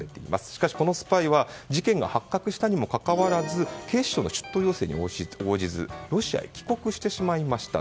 しかし、このスパイは事件が発覚したにもかかわらず警視庁の出頭要請に応じずロシアへ帰国してしまいました。